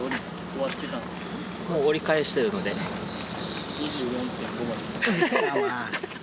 もう折り返してるので、２４．５まで。